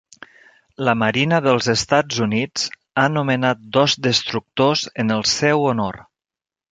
La Marina dels Estats Units ha nomenat dos destructors en el seu honor.